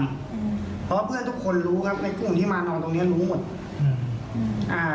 เพราะว่าเพื่อนทุกคนรู้ครับไอ้กลุ่มที่มานอนตรงเนี้ยรู้หมดอืมอ่า